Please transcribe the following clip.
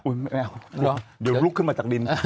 ไม่เอาเดี๋ยวลุกขึ้นมาจากดิน